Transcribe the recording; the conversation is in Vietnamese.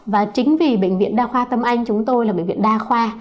và chính vì bệnh viện đa khoa tâm anh chúng tôi là bệnh viện đa khoa